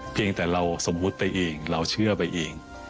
เพียงแต่เราสมมุติไปเองเราเชื่อไปเอง